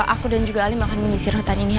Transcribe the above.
aku dan juga alim akan menyisir hutan ini